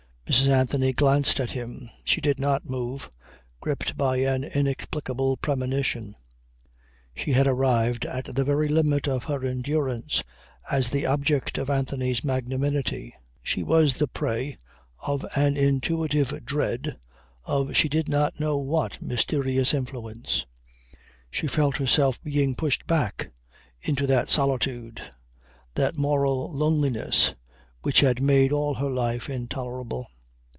Mrs. Anthony glanced at him. She did not move, gripped by an inexplicable premonition. She had arrived at the very limit of her endurance as the object of Anthony's magnanimity; she was the prey of an intuitive dread of she did not know what mysterious influence; she felt herself being pushed back into that solitude, that moral loneliness, which had made all her life intolerable.